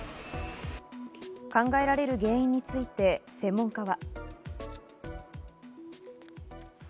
考えられる原因について専門家は。